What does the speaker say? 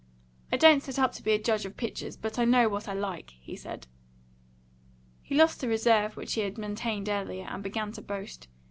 "I don't set up to be a judge of pictures, but I know what I like," he said. He lost the reserve which he had maintained earlier, and began to boast.